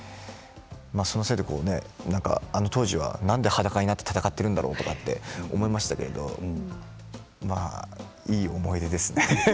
そのせいで、あの当時はなんで裸になって戦っているんだろうと思いましたけれどいい思い出ですね。